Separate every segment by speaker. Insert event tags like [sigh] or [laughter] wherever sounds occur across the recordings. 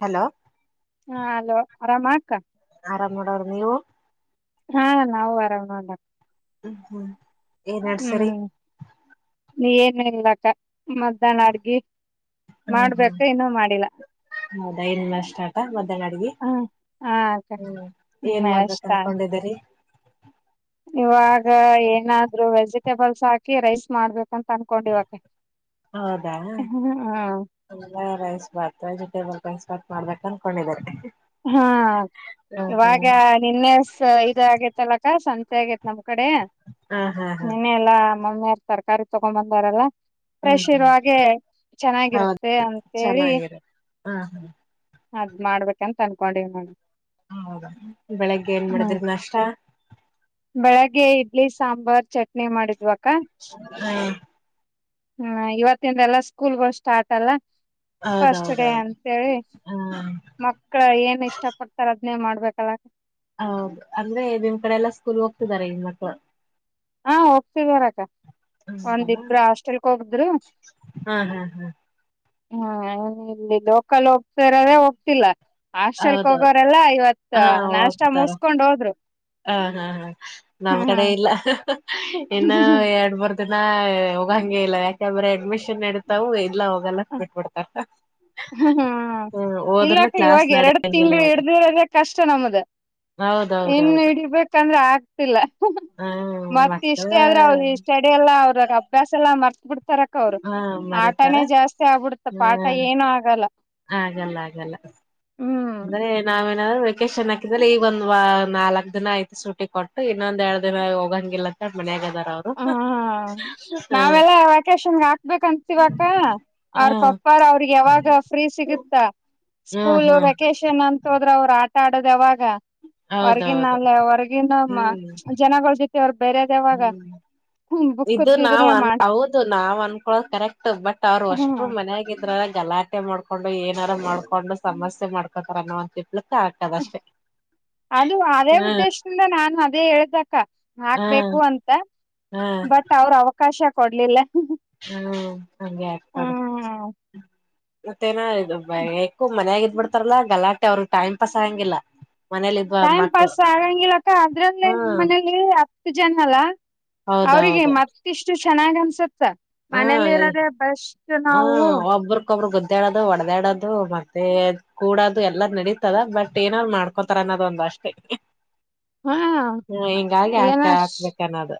Speaker 1: Hello
Speaker 2: ಹಾ hello ಆರಾಮಾ ಅಕ್ಕ?
Speaker 1: ಆರಾಮ್ ಮಾಡವ್ರ ನೀವು?
Speaker 2: ಹಾ ನಾವು ಆರಾಮಣ
Speaker 1: ಹ್ಮ್ ಹ್ಮ್ [inaudible] ಏ ನಡ್ಸರಿ
Speaker 2: ಏನು ಇಲ್ಲಕ್ಕ ಮಧ್ಯಾಹ್ನ ಅಡ್ಗಿ ಮಾಡ್ಬೇಕ ಇನ್ನೂ ಮಾಡಿಲ್ಲ
Speaker 1: [unintelligible] ನಾಷ್ಟಾ ಆಯ್ತಾ ಮತ್ ನಡಗ
Speaker 2: ಹ ಹಾ ಅಕ್ಕ
Speaker 1: ಹ್ಮ್ ಏನ್
Speaker 2: ಹ್ಮ್
Speaker 1: ಮಾಡ
Speaker 2: ಅಷ್ಟ ಆಯ್ತು
Speaker 1: ಅನ್ಕೊಂಡಿದರಿ
Speaker 2: [unintelligible] ಬಲ್ಸ್ ಹಾಕಿ ರೈಸ್ ಮಾಡ್ಬೇಕಂತ ಅನ್ಕೊಂಡ ಇವಾಗ
Speaker 1: ಹೌದಾ ಎಲ್ಲ ರೈಸ್ ಭಾತ್ ವೆಜಿಟೇಬಲ್ ಸ್ಟಾರ್ಟ ಮಾಡ್ಬೇಕ ಅನ್ಕೊಂಡಿದಿದ್ದಾರೆ
Speaker 2: ಹಾ ಇವಾಗ ನಿನ್ನೆ ಇದ ಆಗೇತ್ತಲಕ್ಕ ಸಂಜ ಸಾಗೆಯ್ತ್ ನಮ್ಕ್ ಕಡೆ
Speaker 1: ಹಾ ಹಾ ಹಾ
Speaker 2: ನಿನ್ನ ಎಲ್ಲ ಮೊಮ್ಮ ಯಾರ ತರಕಾರಿ ತೊಗೊಂಡ್ ಬಂದಾರಲ್ಲಾ
Speaker 1: ಹ್ಮ್
Speaker 2: ಫ್ರೆಶ್
Speaker 1: ಹ್ಮ್
Speaker 2: ಇರುವಾಗೆ
Speaker 1: ಹೌದು
Speaker 2: ಚೆನ್ನಾಗಿರುತ್ತೆ ಅಂತೇಳಿ
Speaker 1: ಚೆನ್ನಾಗಿರ ಹ
Speaker 2: ಅದ್ ಮಾಡ್ಬೇಕ ಕೆಂಪ್ ಅನ್ಕೊಂಡೀನಿ ನಾನ್
Speaker 1: ಹೌದಾ ಬೆಳಿಗ್ಗೆ ಏನ್ ಮಾಡಡಿದ್ರ ನಷ್ಟ
Speaker 2: ಬೆಳಗ್ಗೆ ಇಡ್ಲಿ ಸಾಂಬಾರ್ ಚಟ್ನಿ ಮಾಡಿದ್ವ
Speaker 1: ಹ್ಮ
Speaker 2: ಹ್ಮ ಇವತ್ತಿಂದ ಎಲ್ಲ ಸ್ಕೂಲ್ಗಳು ಸ್ಟಾರ್ಟ್ ಅಲ್ಲ ಫಸ್ಟ್ ಡೇ
Speaker 1: ಹೌದೌದೌದು
Speaker 2: ಅಂತೇಳಿ
Speaker 1: ಹ್ಮ
Speaker 2: ಮಕ್ಕಳ ಏನ್ ಇಷ್ಟ ಪಡ್ತಾರ ಅದ್ನೇ ಮಾಡ ಕಲಾಕ [unintelligible]
Speaker 1: ಹ ಅಂದ್ರೆ ನಿಮ್ ಕಡೆ ಎಲ್ಲ ಸ್ಕೂಲ್ ಹೆಣ್ಮಕ್ಳು
Speaker 2: ಹಾ ಹೋಗ್ತಿದರಕ್ಕ,
Speaker 1: ಹೌದಲ್ಲ
Speaker 2: ಒಂದಿಬ್ರು ಹಾಸ್ಟೆಲ್ಕ್ ಹೋಗುದ್ರು
Speaker 1: ಹಾ ಹಾ ಹಾ
Speaker 2: ಹಾ ಇಲ್ಲಿ ಲೋಕಲ್ ಹೋಗ್ಸಾರ್ರೆ ಹೋಗ್ಸಿಲ್ಲ ಹಾಸ್ಟೆಲ್ಕ್
Speaker 1: ಹೌದೌದು
Speaker 2: ಹೋಗೋರೆಲ್ಲಾ ಇವತ್
Speaker 1: ಹಾ
Speaker 2: ನಾಷ್ಟ
Speaker 1: ಹೋಗ್ತಾರ
Speaker 2: ಮುಸ್ಕೊಂಡ್ ಹೋದ್ರು
Speaker 1: ಹ ಹಾ ಹಾ ನಮ್ಮ್
Speaker 2: ಹ್ಮ್
Speaker 1: ಕಡೆ ಇಲ್ಲ [unintelligible] ಇನ್ನ
Speaker 2: ಹ್ಮ್
Speaker 1: ಎರಡ್ ಬರ್ ಇದನ್ನ ಹೋಗಂಗ ಇಲ್ಲ ಯಾಕಂದ್ರೆ ಅಡ್ಮಿಷನ್ ನಡಿತಾವು ಇಲ್ಲ ಹೋಗಲ್ಲ
Speaker 2: ಹ
Speaker 1: ಬಿಟ್ಬಿಡ್ತಾರ
Speaker 2: ಹ್ಮ್ ಹ್ಮ್
Speaker 1: ಹೋದ್ರನು
Speaker 2: ಇಲ್ಲಕ್ಕ
Speaker 1: ಕ್ಲಾಸ್
Speaker 2: ಇವಾಗ ಎರಡು
Speaker 1: ನಡೆಯಂಗಿಲ್ಲ
Speaker 2: ತಿಂಗಳು
Speaker 1: ಇವಾಗ
Speaker 2: ಹಿಡ್ದಿ್ರದೆ ಕಷ್ಟ ನಮ್ದ ಇನ್
Speaker 1: ಹೌದೌದೌದು
Speaker 2: ಹಡಬೇಕ ಯಾಕಂದ್ರೆ ಆಗ್ತಿಲ್ಲ
Speaker 1: ಹ್ಮ
Speaker 2: ಮತ್ತ
Speaker 1: ಮಕ್ಕಳ
Speaker 2: ಇಷ್ಟೇ ಆದ್ರೆ ಅವರು ಇಷ್ಟ ಅಡ ಎಲ್ಲ ಅವ್ರ ಅಭ್ಯಾಸ ಎಲ್ಲ ಮರ್ ಬಿಡುತ್ತಾ ತರಕ ಅವರು
Speaker 1: ಹಾ ಮರಿತಾರ
Speaker 2: ಆಟನೇ ಜಾಸ್ತಿ ಆಗ್ಬಿಡುತ್ತ ಪಾಠ
Speaker 1: ಹ್ಮ್
Speaker 2: ಏನು ಆಗಲ್ಲ
Speaker 1: ಆಗಲ್ಲ ಆಗಲ್ಲ ಅಂದ್ರೆ ನಾವೇಏನಾದ್ರು ವೆೇಕೇಶನ್ ಹಾಕಿದ್ರೆ ಈಗ ಒಂದ್ ನಾಲ್ಕಕ್ ದಿನ ಐತು ಸುಟಿ ಕೊಟ್ಟು ಇನ್ನೊಂದ್ ಎರಡ್ ದಿನ ಹೋಗಂಗಿಲ್ಲ ಅಂತ ಮನ್ ಹಾಗ
Speaker 2: ಹ ನಾವೆಲ್ಲ ವೆಕೇಶನ್ ಹಾಕ್ಬೇಕಂತಿವಕ
Speaker 1: ಹ್ಮ
Speaker 2: ಅವ್ರ ಪಪ್ಪಾರ ಅವ್ರಿಗೆ ಯಾವಾಗ ಫ್ರೀ ಸಿಗುತ್ತ
Speaker 1: ಹ್ಮ್
Speaker 2: ಸ್ಕೂಲ್
Speaker 1: ಹ್ಮ್
Speaker 2: ವೆಕೇಶನ್ ಷನ್ ಅಂತ ಹೋದ್ರೆ ಅವ್ರು ಆಟ ಆಡೋದ್ ಯಾವಾಗ ಹೊರ್ಗಿನ
Speaker 1: ಹೌದೌದು
Speaker 2: ಅಲ್ಲ ಹೊರ್ಗಿನಮ್ಮ
Speaker 1: ಹ್ಮ್
Speaker 2: ಜನ ಯಾರ್ ಬೇರೆದ್ ಯಾವಾಗ
Speaker 1: ಹ್ಮ್ ಇದು ನಾವ್
Speaker 2: ಬುಕ್ದಿದ್ರೆ
Speaker 1: ಅನ್
Speaker 2: ಮಾಡ
Speaker 1: ಹೌದು ನಾವ್ ಅನ್ಕೊಳ್ಳೋದು ಕರೆಕ್ಟ್ ಬಟ್ ಅವ್ರು
Speaker 2: ಹ್ಮ್
Speaker 1: ಅಷ್ಟರು ಮನೆಗಿದ್ರಾ ಗಲಾಟೆ ಮಾಡ್ಕೊಂಡು ಏನಾರ ಮಾಡ್ಕೊಂಡು ಸಮಸ್ಯೆ ಮಾಡ್ಕೊಂತ [unintelligible]
Speaker 2: ಅದು ಅದೇ
Speaker 1: ಹ್ಮ್
Speaker 2: ಉದ್ದೇಶದಿಂದ ನಾನು ಅದೇ ಹೇಳ್ದಕ್ಕ
Speaker 1: ಹ್ಮ್
Speaker 2: ಹಾಕ್ಬೇಕು ಅಂತ
Speaker 1: ಹ್ಮ್
Speaker 2: ಬಟ್ ಅವ್ರ ಅವ ಕಾಶ ಕೊಡ್ಲಿಲ್ಲ
Speaker 1: ಹ್ಮ್ ಹಂಗೆ ಆಗ್ತಾರ
Speaker 2: ಹ್ಮ್
Speaker 1: ಮತ್ತೆ ಏನ ಇದ್ ಎಕೋ ಮನೆಗ್ ಬಿಡ್ತಾರಲ್ಲಾ ಗಲಾಟೆ ಅವ್ರಿಗ್ ಟೈಮ್ ಪಾಸ್ ಹಾಗಂಗಿಲ್ಲ
Speaker 2: ಟೈಮ್ ಪಾಸ್ ಆಗಂಗಿಲ್ಲಕ್ಕ ಅದ್ರಲ್ಲೇ ನಮ್ಮ್
Speaker 1: ಹ್ಮ್
Speaker 2: ಮನೇಲಿ ಇದ್ ಜನ್ಮಲ್ಲ ಅವ್ರಿಗೆ
Speaker 1: ಹೌದೌದು
Speaker 2: ಮತ್ತಿಷ್ ಎಷ್ಟು ಚೆನ್ನಾಗಿ ಅನ್ಸುತ್ತೆ ಸ
Speaker 1: ಹಾ
Speaker 2: ಮನೆಲ್ಲಿರೋಧೆ ಬೆಸ್ಟ್ ನಾವು
Speaker 1: ಗುಡ್ಡಾಡೋಧು ಒಡೆದಾಡೋದು ಮತ್ತೆ ಕೂಡೋದು ಎಲ್ಲ ನಡೀತದ ಬಟ್ ಏನರ ಮಾಡ್ಕೊತಾರ ಅನ್ನೋದ ಒಂದ ಅಷ್ಟೇ
Speaker 2: ಹಾ ಎನ
Speaker 1: ಹಾಕ್ಬೇಕನ್ನೋದು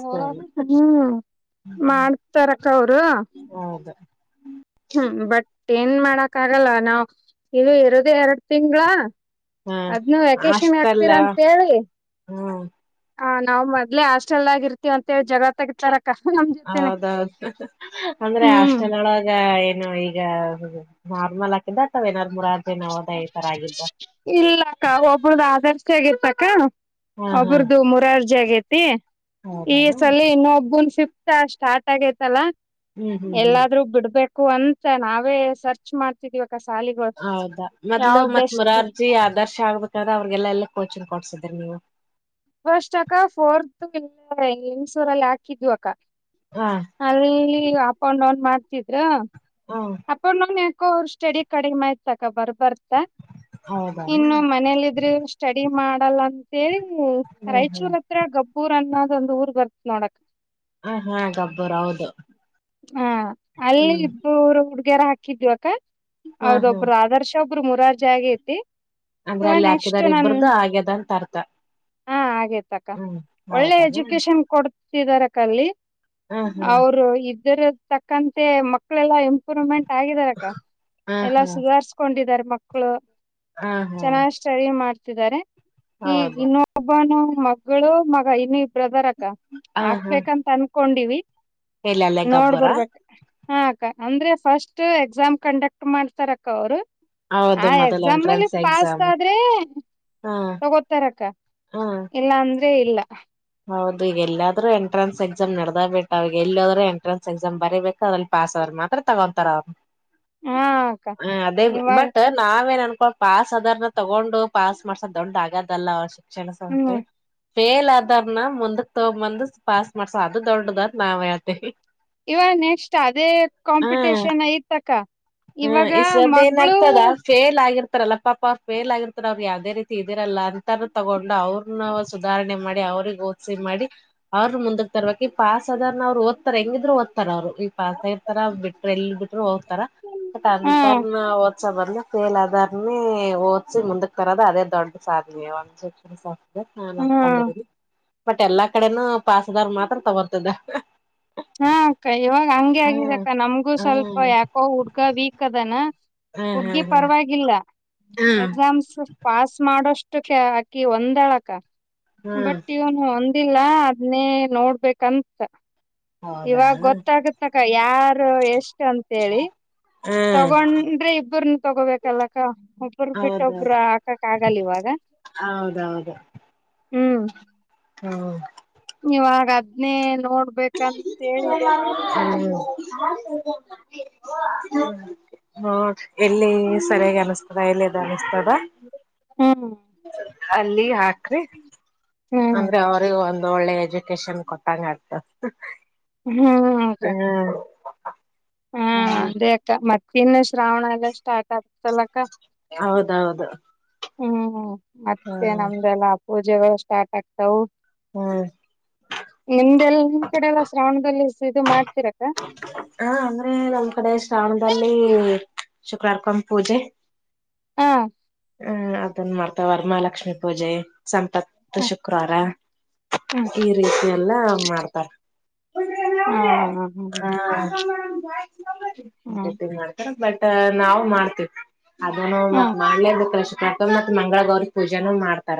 Speaker 1: ಸ್ಕೂಲ್
Speaker 2: ಹ್ಮ್ ಮಾಡ್ತಾರ ಅವರು
Speaker 1: ಹೌದು
Speaker 2: ಹ್ಮ್ ಬಟ್ ಏನ್ ಮಾಡಕ್ ಆಗಲ್ಲ ನಾವು ಇಲ್ಲಿ ಇರೋದೇ ಎರಡ್ ತಿಂಗಳ
Speaker 1: ಹಾ
Speaker 2: ಅದನ್ನು ವೆಕೇಶನ್
Speaker 1: ಹಾಸ್ಟೆಲ್
Speaker 2: ಹಾಕ್ತೀರಾ ರಂತೇಳಿ ಅಂತ ಹೇಳಿ
Speaker 1: ಹ್ಮ್
Speaker 2: ಹ ನಾವ್ ಮೊದ್ಲೆ ಹಾಸ್ಟೆಲ್ ಆಗರ್ತಿವ್ವಂತ ಜಗಳ್ತಗಿತಾರ
Speaker 1: ಹೌದೌದು ಅಂದ್ರೆ
Speaker 2: ಹ್ಮ್
Speaker 1: ಆಸ್ಟೆಲ್ ಒಳಗ ಏನು ಈಗ ನಾರ್ಮಲ್ ಆಕಿದ್ದ ಅತ್ವ ಏನಾರ್ ಮುರಾರ್ಜಿ ನೋವೋಧಯ ಈ ತರ ಆಗಿದ್ದ
Speaker 2: ಇಲ್ಲಕ್ಕ ಒಬ್ರುದ್ಧು ಆದರ್ಷ್ಟ ಆಗಿರ್ತಕ್ಕ
Speaker 1: ಹಾ ಹಾ
Speaker 2: ಒಬ್ರುದ್ಧು ಮುರಾರ್ಜಿ ಆಗೈತ್ [inaudible] ಈ
Speaker 1: ಹೌದಾನ
Speaker 2: ಸಲಿ ಇನ್ನೊಬ್ಬುನ್ ಫಿಫತ್ [unintelligible] ಸ್ಟಾರ್ಟ್ [unintelligible] ಆಗೋಯ್ತಲ್ಲ
Speaker 1: ಹ್ಮ್ ಹ್ಮ್ ಹ್ಮ್
Speaker 2: ಎಲ್ಲಾದ್ರೂ ಬಿಡಬೇಕ್ [unintelligible] ಅಂತ ನಾವೇ ಸರ್ಚ್ ಮಾಡ್ತಿದೀವ ಅ ಸಾಲಿಗೋಳ್ ಯಾವ ಬೆಸ್ಟ್ [unintelligible]
Speaker 1: [unintelligible] ಆದರ್ಶ್ [unintelligible] ಆಗ್ಬೇಕಾದ್ರೆ ಅವ್ರ್ಗೆಲ್ಲ ಕೋಚಿಂಗ್ ಕೊಡ್ಸಿದ್ರಿ ನೀವು
Speaker 2: ಫಸ್ಟ್ ಅಕ್ಕ ಫೋರ್ತ್ ಇಲ್ಲ [unintelligible] ಲಿಂಗಸೂರು ಹಾಕಿದ್ದು ಅಕ್ಕ
Speaker 1: ಹ
Speaker 2: ಅಲ್ಲಿ ಅಪ್ ಅಂಡ್ ಡೌನ್ ಮಾಡ್ ಕಿದ್ರಾ [unintelligible]
Speaker 1: ಹ
Speaker 2: ಅಪ್ ಅಂಡ್ ಡೌನ್ ಅವ್ರ [unintelligible] ಸ್ಟಡಿ ಕಡಿಮೆ ಆಯ್ತಕ್ಕ ಬರ್ದ್ ಬರ್ದ್ [unintelligible]
Speaker 1: ಹೌದಾನ
Speaker 2: ಇನ್ನು ಈ ಮನೇಲಿದ್ರೆ ಸ್ಟಡಿ ಮಾಡಲ್ಲ ಅಂತೇಳಿ
Speaker 1: ಹ್ಮ್ ಹ್ಮ್
Speaker 2: ರಾಯಚೂರ್ ಹತ್ರ ಗಬ್ಬೂರ್ ಅನ್ನ [unintelligible] ಊರ್ ಬರ್ತ್ ನೋಡಕ್
Speaker 1: ಹ ಹಾ ಗಬ್ಬೂರು ಹೌದು
Speaker 2: ಹಾ
Speaker 1: ಹ್ಮ್
Speaker 2: ಅಲ್ಲಿ [unintelligible] [unintelligible] ಹಾಕಿದೀವಕ
Speaker 1: ಹಾ ಹಾ
Speaker 2: ಅವರೊಬ್ಬರು ಆದರ್ಶ [unintelligible] ಮುರಾರಜಾಗೈತಿ
Speaker 1: ಅಂದ್ರೆ ಅಲ್ಲಿ ಹಾಕಿದ್ದಾರೆ ಇಬ್ರ್ದು ಆಗ್ಯದ ಅಂತ ಅರ್ಥ
Speaker 2: [unintelligible]
Speaker 1: ಹ್ಮ್
Speaker 2: [unintelligible] ಒಳ್ಳೆ
Speaker 1: ಹೌದಾನ
Speaker 2: ಎಜುಕೇಶನ್ ಕೋಡ್ ಶ್ರೀಧರಕಲ್ಲಿ
Speaker 1: ಹ
Speaker 2: [unintelligible] ಅವರು ಇದ್ [unintelligible] ತಕ್ಕಂತೆ ಮ ಮಕ್ಕಳೆಲ್ಲಾ ಇಂಪ್ರೂಮೆಂಟ್ ಆಗಿದಾರಕ್ಕ
Speaker 1: ಹಾ ಹ
Speaker 2: ಎಲ್ಲಾ ಸುಧಾರ್ಸ್ಕೊಂಡಿದಿದ್ದಾರೆ ಮಕ್ಳು
Speaker 1: ಹಾ ಹ
Speaker 2: [inaudible] ಚೆನ್ನಾಗ್ ಸ್ಟಡಿ ಮಾಡ್ ತಿದರೆ
Speaker 1: ಹಾ
Speaker 2: ಈ
Speaker 1: ಹೌದು
Speaker 2: ಇನ್ಒಬ್ಬನ ಮಕ್ಕಳು ಮಗ [unintelligible] ಬ್ರದರ್ ಅಕ್ಕ
Speaker 1: ಹ
Speaker 2: ಹಾಕ್ಬೇಕಂತ ಅನ್ ಕೊಂಡಿವಿ
Speaker 1: ಎಲ್ಲ ಅಲ್ಲ ಗಬ್ಬರ
Speaker 2: ಹಾ ಅಕ್ಕ ಅಂದ್ರೆ ಫಸ್ಟ್ ಎಕ್ಸಾಮ್ ಕಂಡಕ್ಟ್ ಮಾಡ್ತಾರ ಅಕ್ಕ ಅವ್ರು
Speaker 1: ಹೌದು
Speaker 2: ಆ
Speaker 1: ಮೊದಲ್
Speaker 2: ಎಕ್ಸಾಮ್ ಅಲ್ಲಿ
Speaker 1: ಎಂಟ್ರೆನ್ಸ್
Speaker 2: ಪಾಸ್
Speaker 1: ಎಕ್ಸಾಮ್
Speaker 2: ಆದ್ರೆ
Speaker 1: ಹಾ
Speaker 2: ತಗೋತಾರಕ್ಕ
Speaker 1: ಹಾ
Speaker 2: ಇಲ್ಲ ಅಂದ್ರ ೇ ಇಲ್ಲ [unintelligible]
Speaker 1: ಹೌದು ಈಗ ಎಲ್ಲೋದರು ಎಂಟ್ರೆನ್ಸ್ ಎಕ್ಸಾಮ್ ನಡದ ಬಿಟ್ಟ ಅವ ಎಲ್ಲದ್ರು ಎಂಟ್ರೆನ್ಸ್ ಎಕ್ಸಾಮ್ ಬರಿಬೇಕು ಅದ್ರ ಪಾಸ್ ಆದ್ರ್ ಮಾತ್ರ ತಗೊಂತತಾರ ಅವ್
Speaker 2: ಹಾ ಅಕ್ಕ
Speaker 1: ಹ ಅದೇ
Speaker 2: ಇವಾಗ
Speaker 1: ಬಟ್ ನಾವೇನ್ನ್ ಪಾಸ್ ಅದಾರ್ನ್ನ ತಗೊಂಡು ಪಾಸ್ ಮಾಡ್ಸೋ ದೊಡ್ ಅಗದ ಅವಷ ಜಲ ಸಂಸೆ
Speaker 2: ಹ್ಮ್
Speaker 1: ಫೇಲ್ ಅದ್ ರ್ನ ಮುಂದಕ್ ತಗ ಬಂದ್ ಪಾಸ್ ಮಾಡ್ಸೋ ಅದು ದೊಡ್ಡದರ್ ನಾವ್ ಹೇಳ್ತಿವಿ
Speaker 2: ಇವ ನೆಕ್ಸ್ಟ್ ಅದೇ
Speaker 1: ಹ್ಮ
Speaker 2: ಕಾಂಪಿಟೇಷನ್ ಐತಕ್ಕ
Speaker 1: ಹ್ಮ
Speaker 2: ಇವಾಗ
Speaker 1: ಈಸದ್ದ ಏನ್
Speaker 2: ಮಗಳು
Speaker 1: ಆಗ್ತದ ಫೇಲ್ ಆಗಿರ್ ತಾರಲ್ಲ ಪಾಪ ಫೇಲ್ ಆಗಿರ್ತಾರ ಅವ್ರು ಯಾವವು್ದೇ ರೀತಿ ಇದಿರಲ್ಲ ಅಂತಾನ ತಗೊಂಡ್ ಅವ್ರನ ಸುಧಾರಣೆ ಮಾಡಿ ಅವ್ರಿಗೆ ಓದ್ಸಿ ಮಾಡಿ ಅವರು ಮುಂದಕ್ ತರ್ಬೇಕಕ್ ಈ ಪಾಸ್ ಅದ ಅವ್ರು ಓದ್ತ ಹೆಂಗಿದ್ರು ಓದ್ತಾರ ಅವ್ರು ಈ ಪಸ್ ಆಗಿರ್ತಾರ ಬಿಟ್ರ ಎಲ್ಲಿ ಬಿಟರು ಓದ್ತಾರ ಬಟ್
Speaker 2: ಹಾ
Speaker 1: ಅಂತಾರನ ಓದ್ಸ ಬಂದ್ರೆ ಪೇಲ್ ಅದಾರ್ನೇ ಮುಂದಕ್ ಕರದ ಅದೇ ದೊಡ್ಡ ಸಾಧನ ಒಂದ ನಾನ್
Speaker 2: ಹಾ
Speaker 1: ಅಂದುಕೊಂಡು ಬಟ್ ಎಲ್ಲಾ ಕಡೆನೂ ಪಾಸದಾರ್ ಮಾತ್ರ ತಗೋರ್ತದ
Speaker 2: ಹಾ ಅಕ್ಕ ಇವಾಗ ಹಂಗಗೆ
Speaker 1: ಹ್ಮ್
Speaker 2: ಆಗಿದಕ್ಕ ನಮ್ಗೂ ಸ್ವಲ್ಪ
Speaker 1: ಹ್ಮ್
Speaker 2: ಯಾಕೋ ಹಡ್ ಕ ವೀಕ್ ಅದಾನ
Speaker 1: ಹ್ಮ್
Speaker 2: ಹುಡ್ಗಿ
Speaker 1: ಹ್ಮ್ ಹ್ಮ್
Speaker 2: ಪರವಾಗಿಲ್ಲ
Speaker 1: ಹ್ಮ್
Speaker 2: ಎಕ್ಸಾಮ್ಸ್ ಪಾಸ್ ಮಾಡೋಷ್ ಅಷ್ಟು ಅಕಿ ಒಂದಳಕ್ಕ
Speaker 1: ಹ್ಮ್
Speaker 2: ಬಟ್ ಇವನು ಒ ಇಲ್ಲ ಅದನೇ ನೋಡ್ಬೇಕಂತ ಇವಾಗ
Speaker 1: ಹೌದಾ
Speaker 2: ಗೊತ್ತಾಗತ್ತ ಕ ಯಾರು ಎಷ್ ಇಷ್ಟ ಅಂತೇಳಿ
Speaker 1: ಹ್ಮ್
Speaker 2: ತಗೊಂಡ್ರೆ ಇಬ್ಬ್ರನು ತಗೋಬೇಕಲ್ಲಕ್ಕ ಒಬ್ರ ಬಿಟ್ಟೊಬ್ಬರು
Speaker 1: ಹೌದೌದು
Speaker 2: ಹಾಕಕ್ ಆಗಲ್ಲ ಇವಾಗ
Speaker 1: ಹೌದೌದು
Speaker 2: ಹ್ಮ್
Speaker 1: ಹ್ಮ
Speaker 2: ಇವಾಗ ಹದ್ನೇ
Speaker 1: ಹ [unintelligible] [unintelligible] ಹ ಎಲ್ಲಿ ಸರಿಯಾಗಿ ಅನಿಸ್ತದ ಎಲ್ಲಿದು ಅನಿಸ್ತದ
Speaker 2: ಹ್ಮ್
Speaker 1: ಅಲ್ಲಿ ಹಾಕ್ರಿ
Speaker 2: ಹ್ಮ್
Speaker 1: ಅಂದ್ರೆ ಅವ್ರ ಒಂದ ಒ ಒಳ್ಳೆ ಎಜುಕೇಶನ್ ಕೊಟ್ಟಂಗತು
Speaker 2: ಹ್ಮ್ ಕೆ ಹಾ
Speaker 1: ಹ್ಮ್
Speaker 2: ಅದೇ ಅಕ್ಕ ಮತ್ತೆ ಇನ್ನ ಶ್ರಾವಣ ಆಗ್ಲೇ ಸ್ಟಾರ್ಟ್ ಆಗ್ತಲ್ಲಕ್ಕ
Speaker 1: ಹೌದೌದು
Speaker 2: ಹ್ಮ್ ಮತ್ತೆ
Speaker 1: ಹ್ಮ್
Speaker 2: ನಮ್ದೆಲ್ಲ ಪೂಜೆಗಳು ಸ್ಟಾರ್ಟ್ ಆಗ್ತವು
Speaker 1: ಹ್ಮ್
Speaker 2: ನಿಮ್ದೆಲ್ಲ ನಿಮ್ ಕಡೆ ಎಲ್ಲ ಶ್ರಾವಣದಲ್ಲಿ ಇದು ಮಾಡ
Speaker 1: ಹಾ ಹು ನಮ ಕಡೆ ಶ್ರಾವಣದಲ್ಲಿ ಶುಕ್ರವಾರ ಕಂ ಪೂಜೆ
Speaker 2: ಹಾ
Speaker 1: ಹ್ಮ್ ಅ ಮಾಡ್ತ ವರಮಹಾಲಕ್ಷ್ಮಿ ಪೂಜೆ ಸಂಪತ್ತು ಶುಕ್ರವಾರ
Speaker 2: ಹ್ಮ್
Speaker 1: ಈ ರೀತಿ ಎಲ್ಲ ಮಾಡ್ತಾರ
Speaker 2: ಹಾ ಹ
Speaker 1: ಹ್ಮ ಹಾ [inaudible]
Speaker 2: ಹ್ಮ್
Speaker 1: [unintelligible] ಮಾಡ್ತಾರ ಬಟ್ ನಾವು ಮಾಡ್ತೀವಿ ಅದನ್ನು
Speaker 2: ಹ
Speaker 1: ಮತ್ ಮಾಡ್ಲೇ ಬೇಕಲ್ಲ ಶುಕ್ ಮತ್ತೊ ಮತ್ ಮಂಗಳ ಗೌರಿ ಪೂಜೆನೂ ಮಾಡ್ತಾರ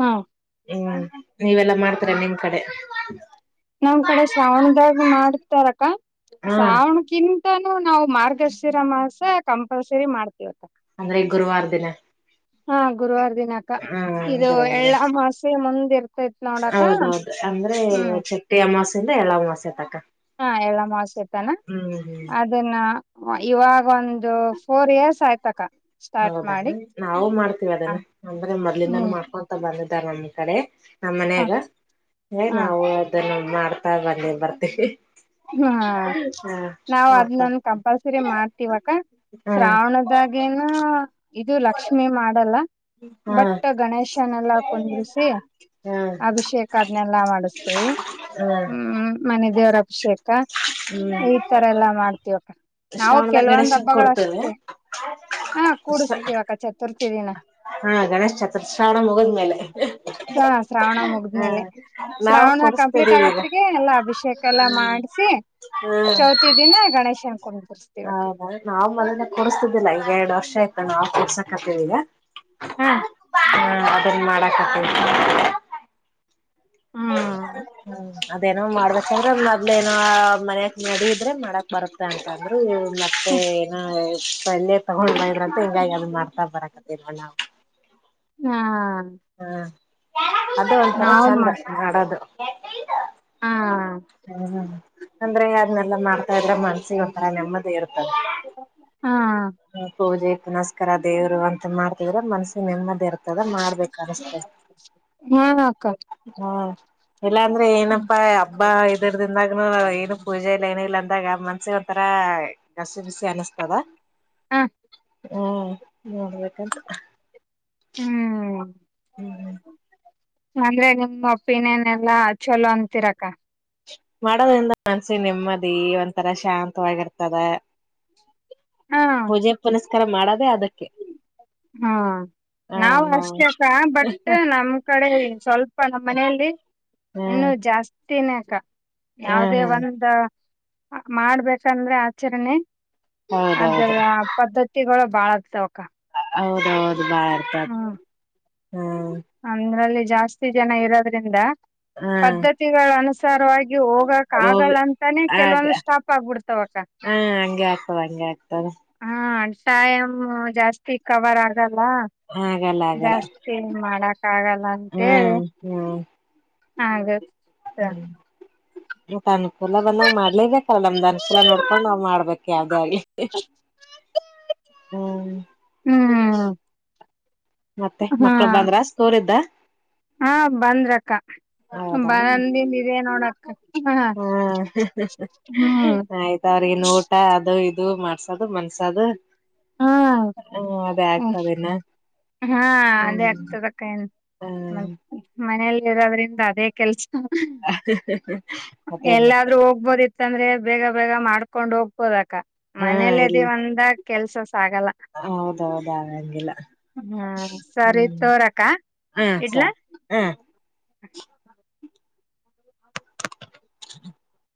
Speaker 2: ಹಾಂ
Speaker 1: ಹ್ಮ ನೀವೆಲ್ಲಾ ಮಾಡ್ತರಾ ನಿಮ ಕಡೆ
Speaker 2: ನಮ್
Speaker 1: ಹಾ
Speaker 2: ಸ್ರಾವಣಕಿನ್ ನಾವು ಮಾರ್ಗಶಿರ ಮಾಸ ಕಂಪಲ್ಸರಿ ಮಾಡ್ತಿೀವಿ
Speaker 1: ಅಂದ್ರೆ ಗುರುವಾರ ದಿನ
Speaker 2: ಹಾ ಗುರುವಾರ ದಿನಾಕ
Speaker 1: ಹ್ಮ್
Speaker 2: ಇದು ಎಳ್ಳ ಮಾಸೆ ಮುಂದ
Speaker 1: ಹೌದು
Speaker 2: ಹ್ಮ್
Speaker 1: ರಿಂದ ಎಲ್ಲ ಮಾಸೆ ತಕ್ಕ
Speaker 2: ಹಾ ಎಲ್ಲ ಮಾಸ ತಾನ
Speaker 1: ಹ್ಮ್
Speaker 2: ಅದನ್ನ ಇವಾಗ ಒಂದು ಫೋರ್ ಇಯರ್ಸ್ ಆಯ್ತಕ
Speaker 1: ಹೌದೇನ ನಾವು ಮಾಡ್ತೀವಿ
Speaker 2: ಹ
Speaker 1: ಅದನ್ನು ಅಂದ್ರೆ ಮೊದ್ಲಿಂದಾನ
Speaker 2: ಹ್ಮ್
Speaker 1: ಮಾಡ್ಕೊತಾ ಬಂದದ ನಮ್ಮ್ ಕಡೆ ನಮ್ಮ್
Speaker 2: ಹ
Speaker 1: ಮನಾಗ
Speaker 2: ಹ
Speaker 1: ನಾವು ಅದನ್ನು ಮಾಡ್ತಾ ಬನ್ನಿ ಬರ್ತೀವಿ
Speaker 2: ಹ
Speaker 1: ಹಾ
Speaker 2: ನಾವ
Speaker 1: ಮಾಡ್ಕೊ
Speaker 2: ಅದ್ನಂದ ಕಂಪಲ್ಸರಿ ಮಾಡ್ತಿವಾಗ
Speaker 1: ಹಾ
Speaker 2: ಶ್ರಾವಣದಾಗೇನ ಇದು ಲಕ್ಷ್ಮಿ ಮಾಡಲ್ಲ
Speaker 1: ಹಾ
Speaker 2: ಬಟ್ ಗಣೇಶನೆೆಲ್ಲ ಕುಂದ್ರಸಿ
Speaker 1: ಹಾ ಹಾ
Speaker 2: ಅಭಿಷೇಕ ಅದನೆಲ್ಲಾ ಮಾಡಿಸ್ತೇವಿ ಹ್ಮ್ ಮನೆ ದೇವ್ರ ಅಭಿಷೇಕ ಅ
Speaker 1: ಹ್ಮ್
Speaker 2: ಈ ತರ ಎಲ್ಲ ಮಾಡ್ತೀವಕ್ಕ ನಾವು
Speaker 1: ಶ್ರಾವಣದಾಗ
Speaker 2: ಕೆಲ್ವೊಂದ್
Speaker 1: ಗಣೇಶನ್
Speaker 2: ಹಬ್ಬಗಳ
Speaker 1: ಕೊಡ್ತೇವೆ
Speaker 2: ಅಷ್ಟೆ ಹ ಕುಡುಸ್ತಿವಕ್ಕ ಚತುರ್ಥಿ ದಿನ
Speaker 1: ಹಾ ಗಣೇಶ್ ಚತುರ್ ಶ್ರಾವಣ ಮುಗಿದ್ಮೇಲೆ
Speaker 2: ಹ ಶ್ರಾವಣ
Speaker 1: ಹ
Speaker 2: ಮುಗಿದ್ಮೇಲೆ
Speaker 1: ನಾವು
Speaker 2: ಶ್ರಾವಣ ಕಂಪ್ಲೀಟ್
Speaker 1: ಕೊಡಸ್ತಿದ್ದೀವಿ ಈಗ
Speaker 2: ಆಗತ್ತಿಗೆ ಎಲ್ಲಾ ಅಭಿಷೇಕ ಎಲ್ಲಾ ಮಾಡ
Speaker 1: ಹ್ಮ್
Speaker 2: ಗಣೇಶನ್ ಕುಂದರ್ಸ್ತೀವಕ್ಕ
Speaker 1: ಹದ ನಾವ್ ಮದನೆ ಕುೂರ್ಸ್ತಿದ್ದಿಲ್ಲ ಈ ಎರಡ್ ವರ್ಷ ಆಯ್ತ ನಾವ ಕರ್ಸ ಹಾಕಿದೀಯ
Speaker 2: ಹ್ಮ
Speaker 1: ಅದನ್ನ ಮಾಡಕತ್ತಿವ್
Speaker 2: ಹ್ಮ್
Speaker 1: [unintelligible] ಅದೇನೋ ಮಾಡ್ಬೇಕಂದ್ರೆ ಮೊದ್ಲಏನೋ ಮನ್ಯಕ್ ಮಾಡಿದ್ರೆ ಮಾಡಕ್ ಬರುತ್ತೆ ಅಂತಂದ್ರರು ಮತ್ತೆ ಏನಾ ತಗೊಂಡ್ ಅಂತ ಹಿಂಗಾಗಿ ಅ ಮಾಡ ಬರಕತಿಲ
Speaker 2: ಹಾ
Speaker 1: ಹ್ಮ ಅದೇ ಒಂಥರ
Speaker 2: ನಾವಮ್ಮ
Speaker 1: ಚಂದ ಮಾಡೋದು [unintelligible]
Speaker 2: ಹಾ
Speaker 1: ಹ್ಮ ಅಂದ್ರೆ ಅದ್ನೆಲ್ಲ ಮಾಡ್ತಾ ಇದ್ರೆ ಮನ್ಸಿಗೆ ಒಂಥರ ನೆಮ್ಮದಿ ಇರುತ್ತೆ
Speaker 2: ಹಾ
Speaker 1: ಪೂಜೆಕ್ಕನಸ್ಕರ ದೇವ್ರು ಅಂತ ಮಾಡ್ತಾರೆ ಇದರ ಮಷಸಿನಾ
Speaker 2: ಹಾ ಆಕ್ಕ
Speaker 1: ಹಾ ಇಲ್ಲಾಂದ್ರೆ ಏನಪ್ಪಾ ಬ್ [unintelligible] ಅಂದಾಗನು ಏನು ಪೂಜೆ ಇಲ್ಲ ಏನ ಇಲ್ಲ ಅಂದಾಗ ಮನ್ಸಿಗೆ ಒಂತರ ಗಸಿ ಬಿಸಿ ಅನಸ್ತದ
Speaker 2: ಹಾ
Speaker 1: ಹ್ಮ ನೋಡ್ಬೇಕಂತ್
Speaker 2: ಹ್ಮ್
Speaker 1: ಹ್ಮ್್ಮ
Speaker 2: ಅಂದ್ರೆ ನಿಮ ಒಪ್ಪಿನೇನ್ ಎಲ್ಲಾ ಚಲೋ ಅಂತಿರಕ್ಕ
Speaker 1: ಮಾಡೋದ್ರಿಂದ ಅನ್ಸಿ ನೆಮ್ಮದಿ ಒಂಥರ ಶಾಂತವಾಗಿರ್ತದೆ
Speaker 2: ಹಾ
Speaker 1: ಪೂಜೆ ಪುನಸ್ ತರ ಮಾಡದೇ ಅದಕ್ಕೆ
Speaker 2: ಹಾ
Speaker 1: ಹ
Speaker 2: ನಾವ್
Speaker 1: ನಾ
Speaker 2: ಅಷ್ಟಕ್ಕ ಬಟ್ ನಮ್ ಕಡೆ ಸ್ವಲ್ಪ ನಮ್ಮ್ ಮನೆಯಲ್ಲಿ ಇನ್ನು
Speaker 1: ಹ್ಮ್
Speaker 2: ಜಾಸ್ ತಿನ್ನ್ಯಾಕ
Speaker 1: ಹ್ಮ್
Speaker 2: ಯಾವ್ದೇ
Speaker 1: ಹ್ಮ್
Speaker 2: ಒಂದ ಮಾಡ್ಬೇಕಂದ್ರೆ ಆಚರಣೆ ಅದ
Speaker 1: ಹೌದೌದು
Speaker 2: ಪದ್ಧತಿಗಳ ಬಾಳಕ್ ಸೌಕ
Speaker 1: ಹೌದ್ ಹೌ [inaudible]
Speaker 2: ಅಂದ್ರಲ್ಲಿ ಜಾಸ್ತಿ ಜನ ಇರೋದ್ರಿಂದ
Speaker 1: ಹ್ಮ್
Speaker 2: ಪದ್ಧತಿಗಳನುಸ್ [inaudible] ವಾಗಿ ಹೋಗಕ ಆಗಲ್ಲ
Speaker 1: ಹೋಗಿ
Speaker 2: ಅಂತಾನೆ
Speaker 1: ಆಗ
Speaker 2: ಕೆಲ್ವೊಂದು ಸ್ಟಾಪ್ ಆಗ್ಬಿಡ್ತಾವ [inaudible]
Speaker 1: ಹ ಹಂಗೆ ಆಗ್ತದ ಹಂಗೆ ಆಗ್ತದ
Speaker 2: ಹ ತಾಯಂ ಜಾಸ್ತಿ ಕವರ್ ಆಗಲ್ ಅ
Speaker 1: ಆಗಲ್ಲ ಆಗಲ್ಲ
Speaker 2: ಜಾಸ್ತಿ ಮಾಡಳ್ ಆಗಲ್ಲ ಅಂತೇಳಿ
Speaker 1: ಹ್ಮ್
Speaker 2: ಹಾಗದ್
Speaker 1: ಹ್ಮ್ ಮತ್ತ ಅನುಕೂಲ ಬಂದಂಗ ಮಾಡ್ಲೇಬೇಕು ಲ್ಲ ನಮ್ದು ಅನ್ಕೂಲ ನೋಡ್ಕೊಂಡ್ ನಾವ್ ಮಾಡ್ಬೇಕು ಯಾವ್ದೇ ಅಗ್ಲಿ
Speaker 2: ಹ್ಮ್
Speaker 1: ಮತ್ತೆ
Speaker 2: ಹ್ಮ ಹಾ,
Speaker 1: ಮಕ್ಳು ಬಂದ್ರ ಸ್ಕೂಲಿಂದ
Speaker 2: ಹಾ ಬಂದ್ರಕ್ಕ ಬಂದಿಂದಿದೆ ನೋಡಕ್ಕ
Speaker 1: ಹಾ
Speaker 2: ಹ್ಮ್
Speaker 1: ಆಯ್ತ್ ಅವ್ರ್ಗಿನ್ ಊಟ ಅದು ಇದು ಮಾಡ್ ಮನಸ ಅದು ಮನಸಾದ
Speaker 2: ಹಾ
Speaker 1: ಹಾ ಅದೇ ಆಗ್ತದನಾ
Speaker 2: ಹಾ ಅದೇ ಆಗ್ತದಕ್ಕ ಮ
Speaker 1: ಹ್ಮ್
Speaker 2: ಮನೆಯಲ್ಲಿ ಇರೋದ್ರಿಂದ ಅದೇ ಕೆಲಸ
Speaker 1: ಅದೇನ್ ಮತ್ತೆ
Speaker 2: ಎಲ್ಲಾದ್ರೂ ಹೋಗ್ಬೋದಿ ಇತ್ತ ಅಂದ್ರೆ ಬೇಗ ಬೇಗ ಮಾಡ್ ಕೊಂಡು ಹೋಗಬೋದ
Speaker 1: ಹಾ
Speaker 2: ಮನೇಲಿ
Speaker 1: ಇಲ್
Speaker 2: ಅದಿವಿ ಅಂದಾಗ ಕೆಲ್ಸ ಸಾಗಲ್ಲ
Speaker 1: ಹೌದೌದ ಆಗಂಗಿಲ್ಲ
Speaker 2: ಹ್ಮ ಸರಿ
Speaker 1: ಹ್ಮ್
Speaker 2: ತೋರಕ್ಕ
Speaker 1: ಹಾ
Speaker 2: ಇಡ್ಲಾ
Speaker 1: ಸರಿ ಹಾ [inaudible]